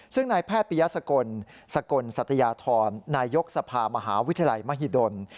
ซึ่งนายแพทย์ปริยสกลสกลสัตยาธรนายยกสภามหาวิทยาลัยมหิดล